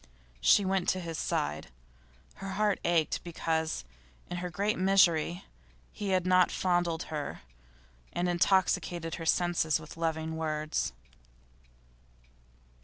She went to his side. Her heart ached because, in her great misery, he had not fondled her, and intoxicated her senses with loving words.